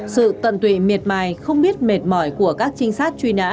sự tận tụy miệt mài không biết mệt mỏi của các trinh sát truy nã